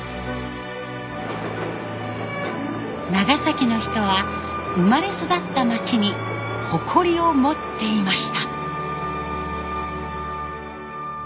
長崎の人は生まれ育った町に誇りを持っていました。